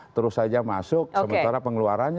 terus saja masuk sementara pengeluarannya